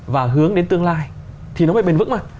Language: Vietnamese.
và hướng đến tương lai thì nó mới bền vững mà